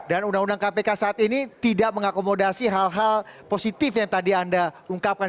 dan undang undang kpk saat ini tidak mengakomodasi hal hal positif yang tadi anda ungkapkan